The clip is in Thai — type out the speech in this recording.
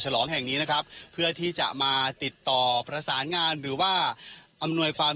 ลองแห่งนี้นะครับเพื่อที่จะมาติดต่อประสานงานหรือว่าอำนวยความ